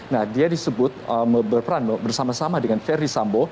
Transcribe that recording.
nah dia disebut berperan bersama sama dengan verdi sambo